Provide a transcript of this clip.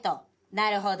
なるほど。